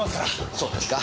そうですか？